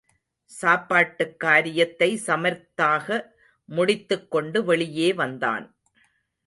சாப்பாட்டுக் காரியத்தை சமர்த்தாக முடித்துக் கொண்டு வெளியே வந்தான்.